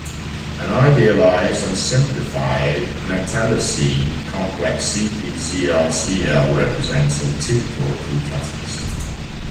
An idealized and simplified metallocene complex CpZrCl represents a typical precatalyst.